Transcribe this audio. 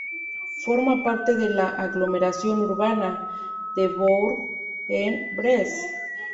Forma parte de la aglomeración urbana de Bourg-en-Bresse.